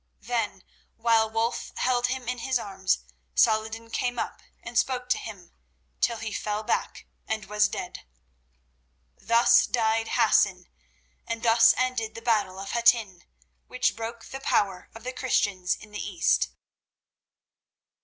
Then, while Wulf held him in his arms, Saladin came up and spoke to him, till he fell back and was dead. Thus died Hassan, and thus ended the battle of Hattin, which broke the power of the Christians in the East.